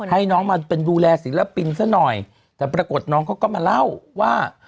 ให้น้องมาเป็นดูแลศิลปินซะหน่อยแต่ปรากฏน้องเขาก็มาเล่าว่า